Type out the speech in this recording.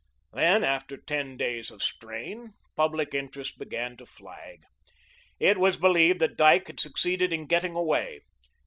Then, after ten days of strain, public interest began to flag. It was believed that Dyke had succeeded in getting away.